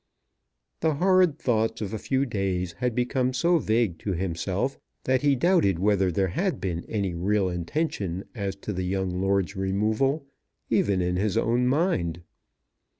The horrid thoughts of a few days had become so vague to himself that he doubted whether there had been any real intention as to the young lord's removal even in his own mind.